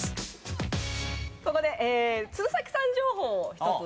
ここで鶴崎さん情報を１つ。